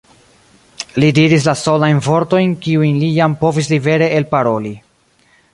Li diris la solajn vortojn, kiujn li jam povis libere elparoli.